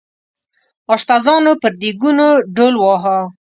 اشپزانو پر دیګونو ډول واهه.